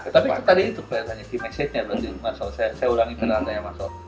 tapi itu tadi itu saya tanya di message nya berarti mas soel saya ulangi tadi tanya mas soel